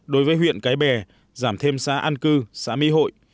đối với huyện cái bè giảm thêm xã an cư xã mỹ hội